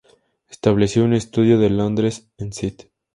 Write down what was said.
Estableció un estudio de Londres en St.